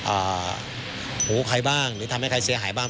หูใครบ้างหรือทำให้ใครเสียหายบ้าง